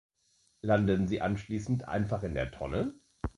Landen sie anschließend einfach in der Tonne?